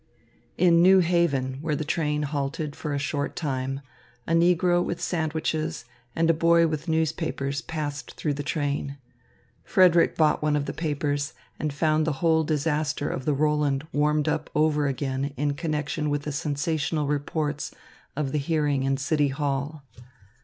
In New Haven, where the train halted for a short time, a negro with sandwiches and a boy with newspapers passed through the train. Frederick bought one of the papers, and found the whole disaster of the Roland warmed up over again in connection with the sensational reports of the hearing in the City Hall.